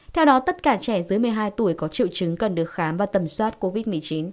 theo đó tất cả trẻ dưới một mươi hai tuổi có triệu chứng cần được khám và tầm soát covid một mươi chín